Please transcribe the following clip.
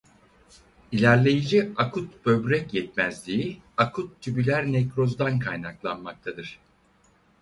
İlerleyici akut böbrek yetmezliği akut tübüler nekrozdan kaynaklanmaktadır.